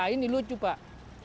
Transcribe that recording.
ini lucu pak